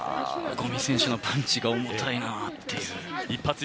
五味選手のパンチが重たいなっていう。